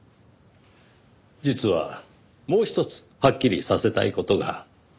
実はもうひとつはっきりさせたい事が。